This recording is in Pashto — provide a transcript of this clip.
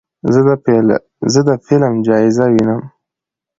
زه د فلم جایزه وینم.